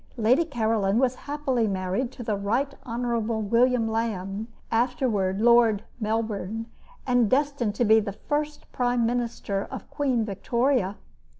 Lady Caroline was happily married to the Right Hon. William Lamb, afterward Lord Melbourne, and destined to be the first prime minister of Queen Victoria.